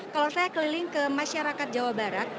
kalau saya keliling ke masyarakat jawa barat